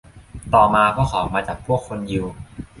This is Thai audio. ต่อมา พวกเขามาจับพวกคนยิว